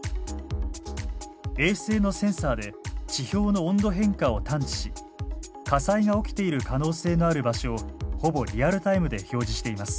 衛星のセンサーで地表の温度変化を探知し火災が起きている可能性のある場所をほぼリアルタイムで表示しています。